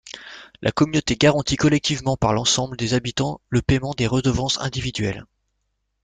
La communauté garantit collectivement par l’ensemble des habitants le paiement des redevances individuelles.